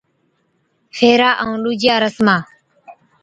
ڦيرا ائُون ڏُوجِيا رسما